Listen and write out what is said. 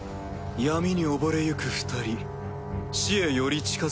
闇に溺れゆく２人死へより近づく者は。